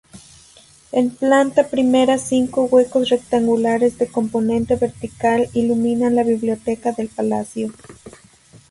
En planta primera cinco huecos rectangulares de componente vertical iluminan la biblioteca del palacio.